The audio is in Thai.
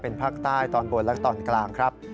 เป็นภาคใต้ตอนบนและตอนกลางครับ